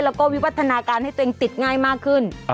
แล้วก็วิวัฒนาการให้ตัวเองติดง่ายมากขึ้น